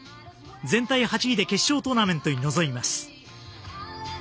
全体８位で決勝トーナメントに臨みます。